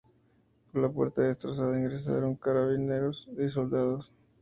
Por la puerta destrozada, ingresaron carabineros y soldados.